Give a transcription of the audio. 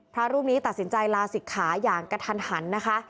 พระรูปนี้ตัดสินใจลาศิกขาอย่างกระทันหันนะคะ